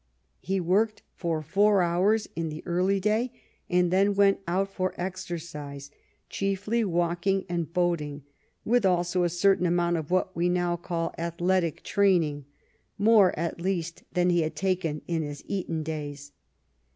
He worked for four hours in the early day and then went out for ex ercise, chiefly walking and boating, with also a certain amount of what we now call athletic train ing — more, at least, than he had taken in his Eton days.